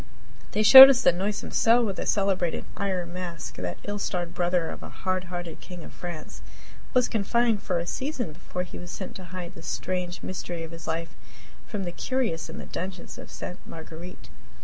They showed us the noisome cell where the celebrated "Iron Mask" that ill starred brother of a hardhearted king of France was confined for a season before he was sent to hide the strange mystery of his life from the curious in the dungeons of Ste. Marguerite.